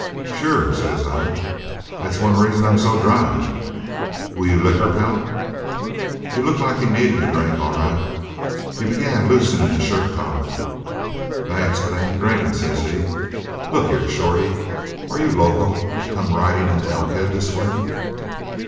"'Sure,' says I, 'that's one reason I'm so dry. Will you liquor, pal?' "He looked like he needed a drink, all right. He begun loosening his shirt collar. "'Thanks, but I ain't drinkin', says he. 'Look here, Shorty, are you loco to come ridin' into Elkhead this way?'